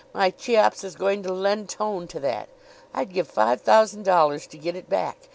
My Cheops is going to lend tone to that. I'd give five thousand dollars to get it back.